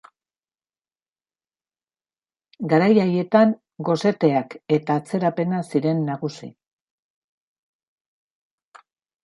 Garai haietan goseteak eta atzerapena ziren nagusi.